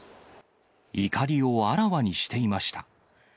怒りをあらわにしていました。